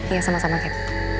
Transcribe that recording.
ya sama sama kak